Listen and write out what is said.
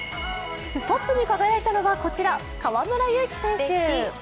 トップに輝いたのがこちら、河村勇輝選手。